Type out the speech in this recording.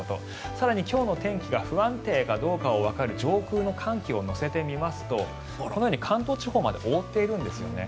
更に今日の天気が不安定かどうかがわかる上空の寒気を乗せてみますとこのように関東地方まで覆っているんですよね。